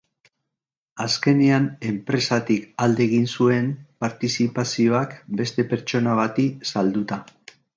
Azkenean, enpresatik alde egin zuen partizipazioak beste pertsona bati salduta.